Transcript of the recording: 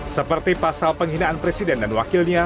seperti pasal penghinaan presiden dan wakilnya